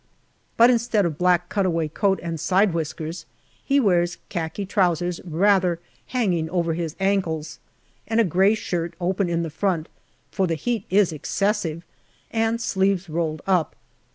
But instead of black cut away coat and side whiskers, he wears khaki trousers rather hanging over his ankles, and a grey shirt open in the front for the heat is excessive and sleeves rolled up.